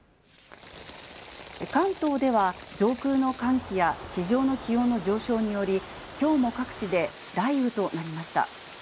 関東では上空の寒気や地上の気温の上昇により、きょうも各地で雷雨となりました。